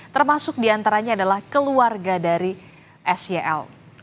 termasuk diantaranya adalah keluarga dari sel